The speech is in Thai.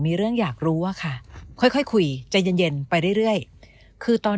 มีเรื่องอยากรู้อะค่ะค่อยคุยใจเย็นเย็นไปเรื่อยคือตอน